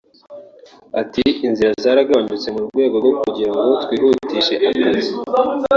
Ati” Inzira zaragabanutse mu rwego rwo kugira ngo twihutishe akazi